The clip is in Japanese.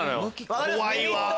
怖いわ！